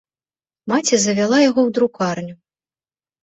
Маці завяла яго ў друкарню.